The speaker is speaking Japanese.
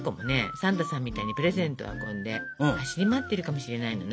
サンタさんみたいにプレゼントを運んで走り回ってるかもしれないのね。